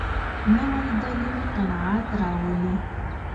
نوی دلیل قناعت راولي